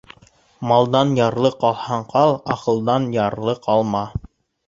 Малдан ярлы ҡалһаң ҡал, аҡылдан ярлы ҡалма.